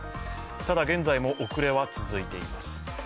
ただ、現在も遅れは続いています。